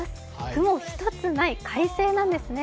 雲一つない快晴なんですね。